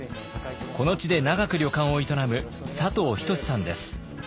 この地で長く旅館を営む佐藤仁さんです。